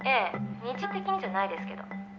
日常的にじゃないですけど」